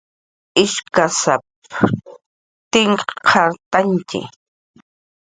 ishkaspsa tinkqhatantyi